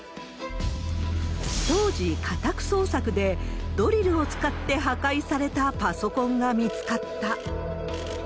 当時、家宅捜索で、ドリルを使って破壊されたパソコンが見つかった。